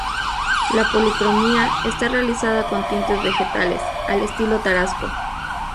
La policromía está realizada con tintes vegetales, al estilo tarasco.